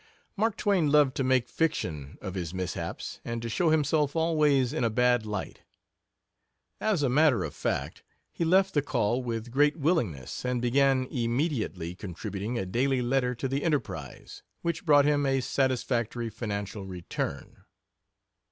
Mark Twain loved to make fiction of his mishaps, and to show himself always in a bad light. As a matter of fact, he left the Call with great willingness, and began immediately contributing a daily letter to the Enterprise, which brought him a satisfactory financial return.